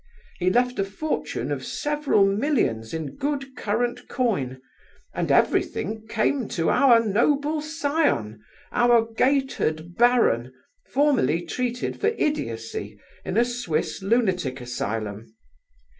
He left a fortune of several millions in good current coin, and everything came to our noble scion, our gaitered baron, formerly treated for idiocy in a Swiss lunatic asylum.